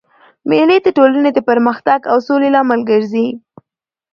مېلې د ټولني د پرمختګ او سولي لامل ګرځي.